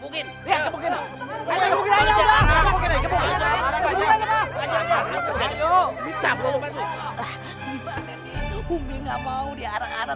gimana nih umi gak mau diarah arah